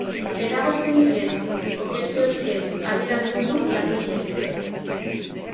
Eragozpenik ez, objekziorik ez, adierazten du, latinez.